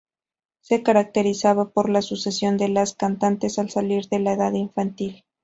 Se caracterizaba por la sucesión de las cantantes al salir de la edad infantil.